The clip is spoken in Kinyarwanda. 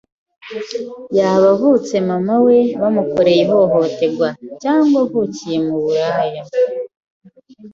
yaba avutse mama we bamukoreye ihohoterwa, cyangwa avukiye mu buraya.